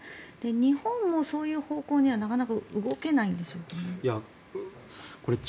日本もそういう方向にはなかなか動けないんでしょうか。